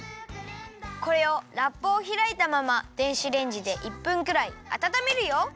これをラップをひらいたまま電子レンジで１分くらいあたためるよ。